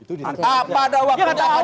apa ada waktu yang akan diputuskan